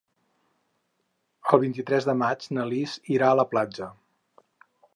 El vint-i-tres de maig na Lis irà a la platja.